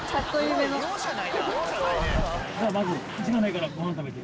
まず。